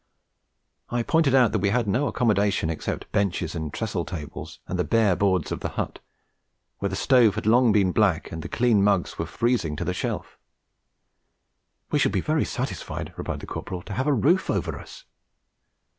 I pointed out that we had no accommodation except benches and trestle tables, and the bare boards of the hut, where the stove had long been black and the clean mugs were freezing to their shelf. 'We shall be very satisfied,' replied the Corporal, 'to have a roof over us.'